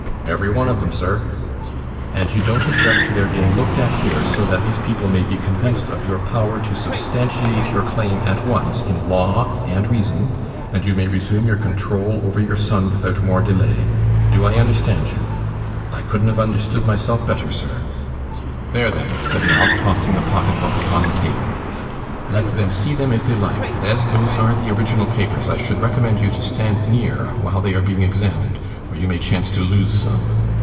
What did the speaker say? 'Every one of 'em, sir.' 'And you don't object to their being looked at here, so that these people may be convinced of your power to substantiate your claim at once in law and reason, and you may resume your control over your own son without more delay. Do I understand you?' 'I couldn't have understood myself better, sir.' 'There, then,' said Ralph, tossing the pocket book upon the table. 'Let them see them if they like; and as those are the original papers, I should recommend you to stand near while they are being examined, or you may chance to lose some.